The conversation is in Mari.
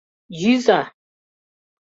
Йӱза!..